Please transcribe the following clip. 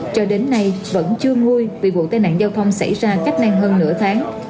cho đến nay vẫn chưa nguôi vì vụ tài nạn giao thông xảy ra cách năng hơn nửa tháng